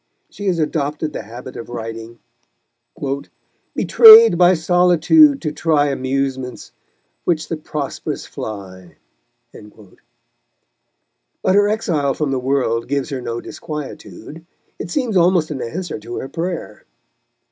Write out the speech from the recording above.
She has adopted the habit of writing, Betrayed by solitude to try Amusements, which the prosperous fly. But her exile from the world gives her no disquietude. It seems almost an answer to her prayer.